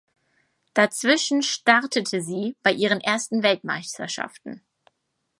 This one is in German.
Dazwischen startete sie bei ihren ersten Weltmeisterschaften.